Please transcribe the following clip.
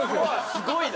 すごいな！